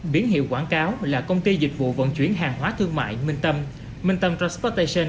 biến hiệu quảng cáo là công ty dịch vụ vận chuyển hàng hóa thương mại minh tâm